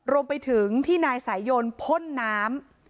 รวมไปถึงที่นายสายยนพ่นน้ำ